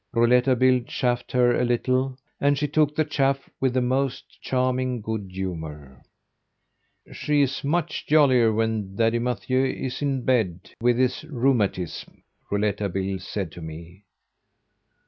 Rouletabille chaffed her a little, and she took the chaff with the most charming good humour. "She is much jollier when Daddy Mathieu is in bed with his rheumatism," Rouletabille said to me.